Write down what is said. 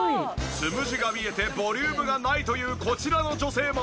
つむじが見えてボリュームがないというこちらの女性も。